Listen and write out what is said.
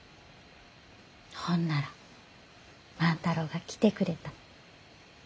ほんなら万太郎が来てくれた。